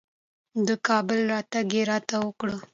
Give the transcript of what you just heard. د کابل راتګ یې راته وکړ.